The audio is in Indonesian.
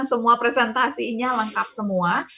semua presentasinya lengkap semua